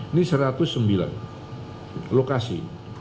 ini satu ratus sembilan lokasi